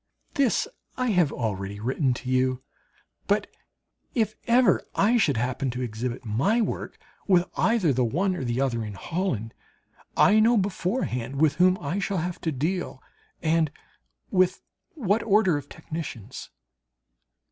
This I have already written to you. But if ever I should happen to exhibit my work with either the one or the other in Holland, I know beforehand with whom I shall have to deal, and with what order of technicians.